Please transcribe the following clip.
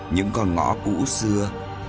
những con ngõ cũ xưa